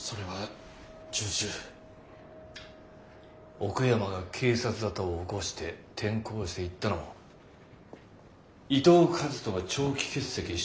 奥山が警察沙汰を起こして転校していったのも伊藤和斗が長期欠席していたのも。